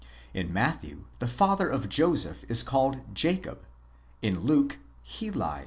In Matthew, the father of Joseph is called Jacob; in Luke, Heli.